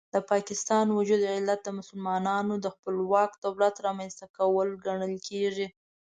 د پاکستان وجود علت د مسلمانانو د خپلواک دولت رامنځته کول ګڼل کېږي.